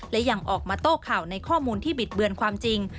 และยังออกมาโต้ข่าวในข้อมูลที่บิดเบือนความจริง